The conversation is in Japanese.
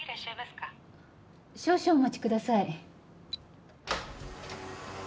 少々お待ちください。